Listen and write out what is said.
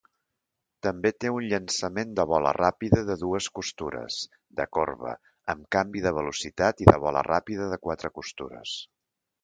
També té un llançament de bola ràpida de dues costures, de corba, amb canvi de velocitat i de bola ràpida de quatre costures.